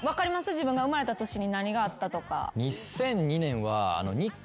自分が生まれた年に何があったか。